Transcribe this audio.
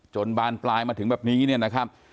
บานปลายมาถึงแบบนี้เนี่ยนะครับ